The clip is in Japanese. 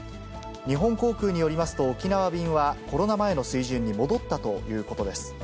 日本航空によりますと、沖縄便はコロナ前の水準に戻ったということです。